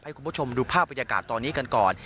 ให้คุณผู้ชมดูภาพบรรยากาศตอนนี้กันก่อน